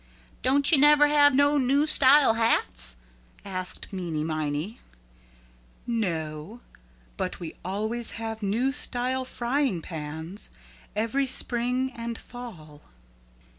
"Don't you never have no new style hats?" asked Meeney Miney. "No, but we always have new style frying pans every spring and fall."